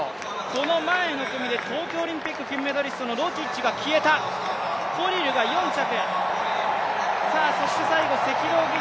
この前の組で東京オリンピック金のロティッチが消えた、コリルが４着。